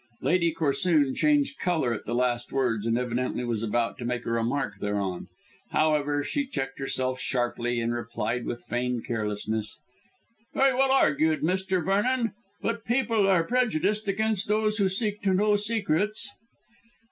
Lady Corsoon changed colour at the last words, and evidently was about to make a remark thereon. However, she checked herself sharply and replied with feigned carelessness, "Very well argued, Mr. Vernon. But people are prejudiced against those who seek to know secrets."